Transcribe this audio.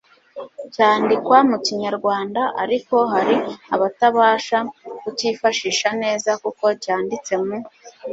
cyandikwa mu kinyarwanda, ariko hari abatabasha kukifashisha neza kuko cyanditse mu